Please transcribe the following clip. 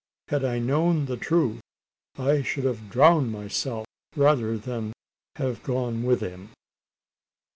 Had I known the truth, I should have drowned myself rather than have gone with him!"